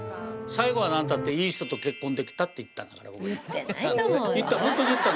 最後は、なんたっていい人と結婚できたって言ったんだから。